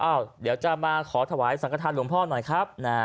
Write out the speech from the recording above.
เดี๋ยวจะมาขอถวายสังกฐานหลวงพ่อหน่อยครับ